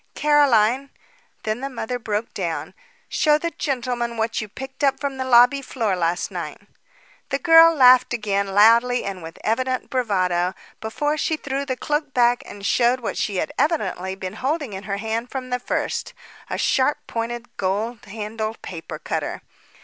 "Caroline" Then the mother broke down. "Show the gentleman what you picked up from the lobby floor last night." The girl laughed again, loudly and with evident bravado, before she threw the cloak back and showed what she had evidently been holding in her hand from the first, a sharp pointed, gold handled paper cutter.